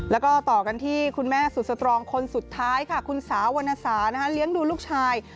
แล้วก็ต่อกันที่คุณแม่สุดสตรองคนสุดท้ายค่ะคุณสาววรรณสาเลี้ยงดูลูกชาย